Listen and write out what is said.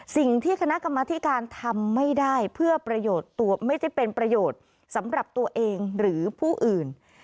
สิ่งที่คณะกรรมธิการทำไม่ได้เพื่อประโยชน์ตัวไม่ได้เป็นประโยชน์สำหรับตัวเองหรือผู้อื่น